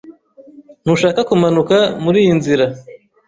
Ntushaka kumanuka muriyi nzira.